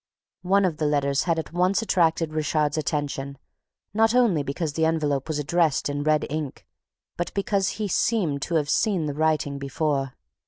One of the letters had at once attracted Richard's attention not only because the envelope was addressed in red ink, but because he seemed to have seen the writing before.